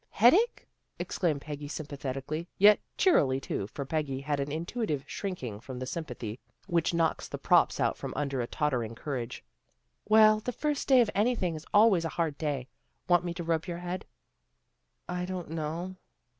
" Headache? " exclaimed Peggy sympathet ically, yet cheerily too, for Peggy had an in tuitive shrinking from the sympathy which knocks the props out from under a tottering courage. " Well, the first day of anything is always a hard day. Want me to rub your head? "" I don't know."